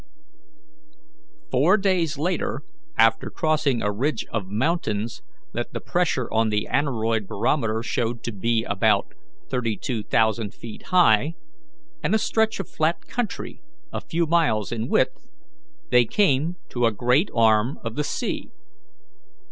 Four days later, after crossing a ridge of mountains that the pressure on the aneroid barometer showed to be about thirty two thousand feet high, and a stretch of flat country a few miles in width, they came to a great arm of the sea.